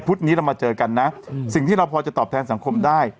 นี้เรามาเจอกันนะสิ่งที่เราพอจะตอบแทนสังคมได้